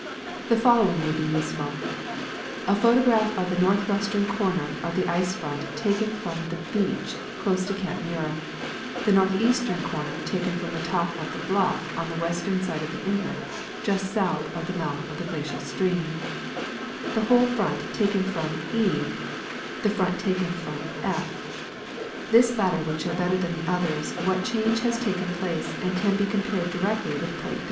The following would be useful : A photograi:)h of the northwestern corner of the ice front taken from the beach close to camp Muir, the northeastern corner taken from the top of the bluff on the western side of the inlet, just south of the mouth of the glacial stream ; the whole front taken from E, the fr ont taken from I'. This latter would show better than the others what change has taken place and can be compared directly with plate 18.